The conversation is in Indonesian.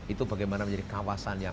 itu bagaimana menjadi kawasan yang